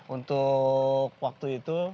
untuk waktu itu